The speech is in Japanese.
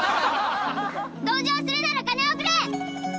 同情するなら金をくれ！